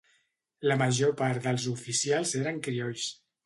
La major part dels oficials eren criolls.